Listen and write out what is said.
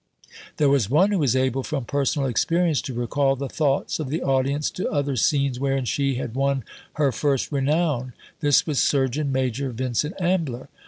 There was one who was able from personal experience to recall the thoughts of the audience to other scenes wherein she had won her first renown. This was Surgeon Major Vincent Ambler.